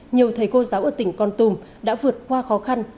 nhiều thầy cô giáo ở tỉnh con tùm đã vượt qua khó khăn